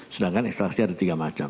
sedangkan ekstraksi ada tiga macam